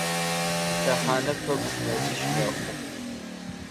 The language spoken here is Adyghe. Лъэхъанэ пэпчъ мэзищ мэхъу.